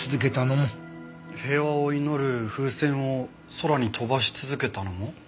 平和を祈る風船を空に飛ばし続けたのも？